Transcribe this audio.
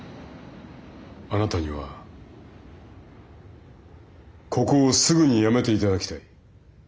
あなたにはここをすぐに辞めていただきたい。